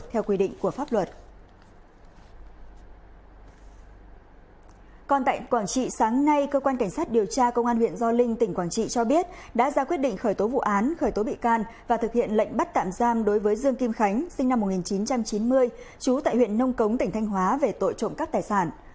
hôm sáng nay cơ quan cảnh sát điều tra công an huyện do linh tỉnh quảng trị cho biết đã ra quyết định khởi tố vụ án khởi tố bị can và thực hiện lệnh bắt tạm giam đối với dương kim khánh sinh năm một nghìn chín trăm chín mươi chú tại huyện nông cống tỉnh thanh hóa về tội trộm các tài sản